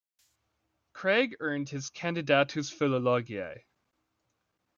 Krag earned his Cand.philol.